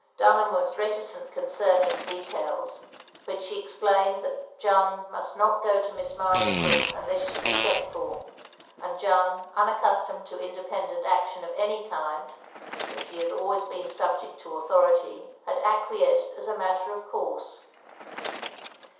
Dtmham was reticent concerning 12 THE LONELY LADY details, but she explained that Jeanne mtist not go to Miss Mamey's room tinless she was sent for; and Jeanne, imacctistomed to independent ac tion of any kind (for she had been always sub ject to authority), had acqtdesced as a matter of course.